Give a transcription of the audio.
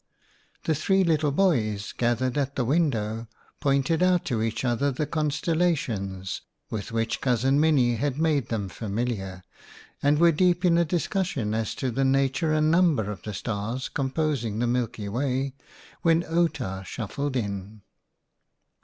The three little boys, gathered at the window, pointed out to each other the con stellations with which Cousin Minnie had made them familiar, and were deep in a dis cussion as to the nature and number of the stars composing the Milky Way when Outa shuffled in.